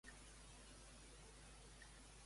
Què hi havia de valor a la ciutat?